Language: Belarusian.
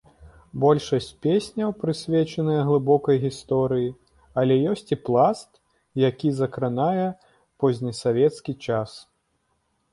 Большасць песняў прысвечаныя глыбокай гісторыі, але ёсць і пласт, які закранае познесавецкі час.